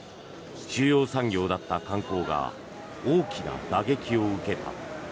主要産業だった観光が大きな打撃を受けた。